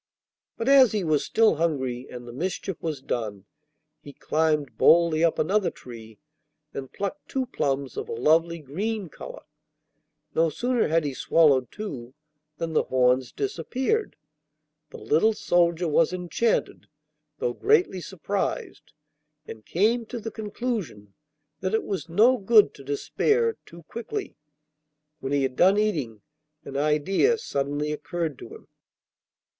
But as he was still hungry, and the mischief was done, he climbed boldly up another tree, and plucked two plums of a lovely green colour. No sooner had he swallowed two than the horns disappeared. The little soldier was enchanted, though greatly surprised, and came to the conclusion that it was no good to despair too quickly. When he had done eating an idea suddenly occurred to him.